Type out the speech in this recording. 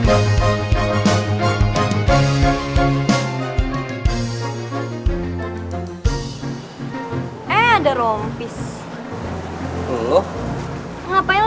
bukannya mau nonton ya